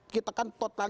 kita kan memang tok